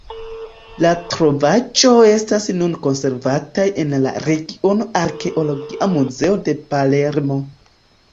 La trovaĵoj estas nune konservataj en la Regiona Arkeologia Muzeo de Palermo.